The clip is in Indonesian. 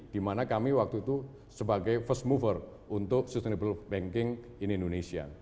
di mana kami waktu itu sebagai first mover untuk sustainable banking in indonesia